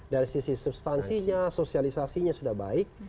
dari sisi substansinya sosialisasinya sudah baik